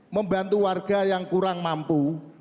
membantu warga yang kurang mampu